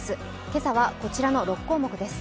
今朝はこちらの６項目です。